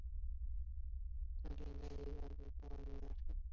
路灯亮化工程全面完成。